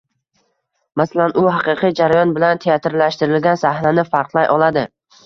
Masalan u haqiqiy jarayon bilan teatrlashtirilgan sahnani farqlay oladi.